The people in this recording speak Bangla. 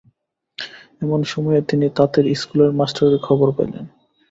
এমন সময়ে তিনি তাঁতের ইস্কুলের মাস্টারের খবর পাইলেন।